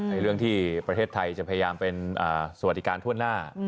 เรื่องที่ประเทศไทยจะพยายามเป็นสวัสดิการทั่วหน้า